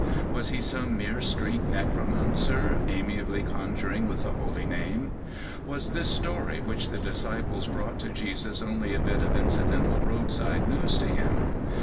Was he some mere street necromancer, amiably conjuring with the Holy Name? Was this story which the disciples brought to Jesus only a bit of incidental roadside news to Him?